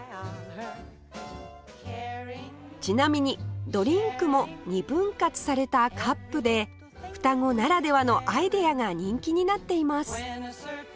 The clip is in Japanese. ちなみにドリンクも二分割されたカップで双子ならではのアイデアが人気になっています